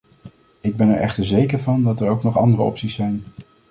Ik ben er echter zeker van dat er ook nog andere opties zijn.